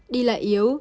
đi lại yếu